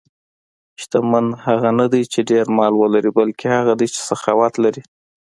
شتمن هغه نه دی چې ډېر مال ولري، بلکې هغه دی چې سخاوت لري.